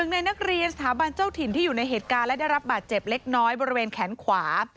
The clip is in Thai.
ในนักเรียนสถาบันเจ้าถิ่นที่อยู่ในเหตุการณ์และได้รับบาดเจ็บเล็กน้อยบริเวณแขนขวา